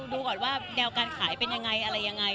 ดูก่อนว่าแนวการขายเป็นยังไงอะไรยังไง